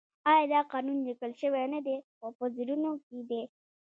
آیا دا قانون لیکل شوی نه دی خو په زړونو کې دی؟